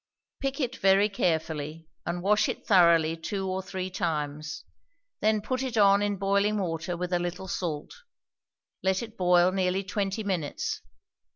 Pick it very carefully, and wash it thoroughly two or three times; then put it on in boiling water with a little salt; let it boil nearly twenty minutes.